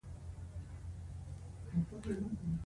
بودا سره نژدې یو مکتب ته ورغلم.